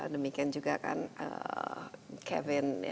demikian juga kan kevin